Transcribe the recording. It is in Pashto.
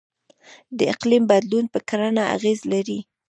د اقلیم بدلون په کرنه اغیز لري.